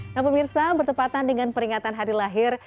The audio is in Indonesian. nah pemirsa bertepatan dengan peringatan hari lahir